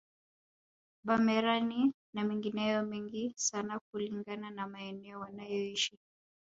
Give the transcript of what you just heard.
Bamerani na mengineyo mengi sana kulingana na maeneo wanayoishi